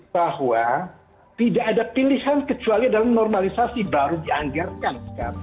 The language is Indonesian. bahwa tidak ada pilihan kecuali dalam normalisasi baru dianggarkan sekarang